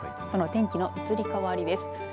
その天気の移り変わりです。